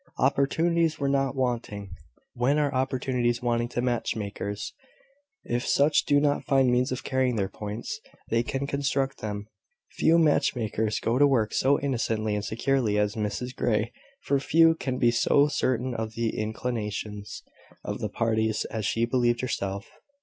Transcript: Opportunities were not wanting. When are opportunities wanting to match makers? If such do not find means of carrying their points, they can construct them. Few match makers go to work so innocently and securely as Mrs Grey; for few can be so certain of the inclinations of the parties as she believed herself.